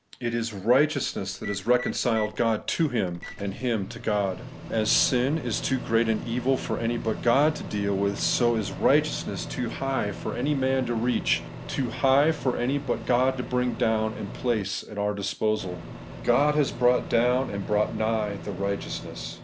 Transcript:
It is righteousness that has reconciled God to him, and him to. God. As sin is too great an evil for any but God to deal with, so is righteousness too high for man to 8 TliG Everlasting Righteousness, reach ; too high for any but God to bring down and place at our disposal God has brought down, and brought nigh, the righteousness.